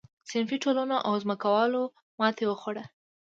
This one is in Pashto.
صنفي ټولنو او ځمکوالو ماتې وخوړه.